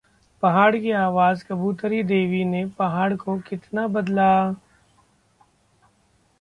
पहाड़ की आवाज कबूतरी देवी ने पहाड़ को कितना बदला?